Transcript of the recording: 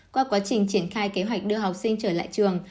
qua quá trình triển khai kế hoạch đưa học sinh trở lại trường